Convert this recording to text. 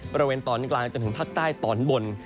บริเวณตอนกลางจนถึงภาคใต้ตอนบน